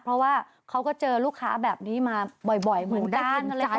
เพราะว่าเขาก็เจอลูกค้าแบบนี้มาบ่อยเหมือนกัน